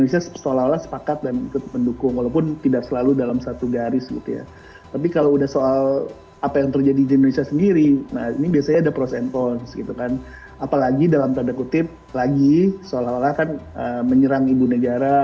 seolah olah kan menyerang ibu negara